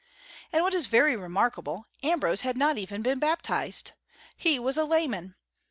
And what is very remarkable, Ambrose had not even been baptized. He was a layman.